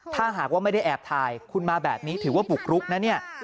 ถ้าหากว่าไม่ได้แอบถ่ายคุณมาแบบนี้ถือว่าบุกรุกนะเนี่ย